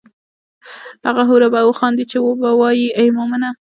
هغه حوره به وخاندي هم به وائي ای مومنه!